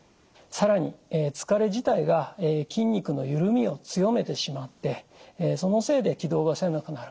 更に疲れ自体が筋肉のゆるみを強めてしまってそのせいで気道が狭くなる。